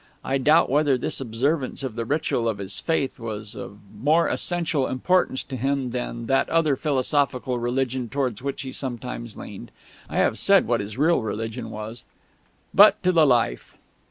I doubt whether this observance of the ritual of his Faith was of more essential importance to him than that other philosophical religion towards which he sometimes leaned. I have said what his real religion was. But to the "Life."